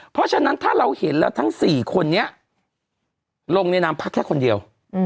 เพราะฉะนั้นถ้าเราเห็นแล้วทั้ง๔คนนี้ลงในนามพักแค่คนเดียว